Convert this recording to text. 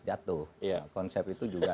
jatuh konsep itu juga